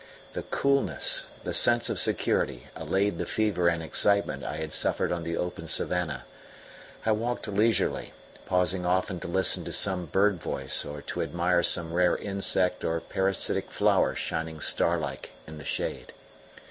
The coolness, the sense of security, allayed the fever and excitement I had suffered on the open savannah; I walked leisurely, pausing often to listen to some bird voice or to admire some rare insect or parasitic flower shining star like in the shade.